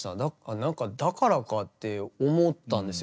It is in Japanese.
なんかだからかって思ったんですよ